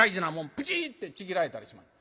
ブチってちぎられたりしまんねん。